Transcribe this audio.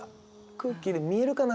空気で見えるかな？